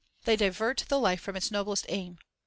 They divert the life from its noblest aim.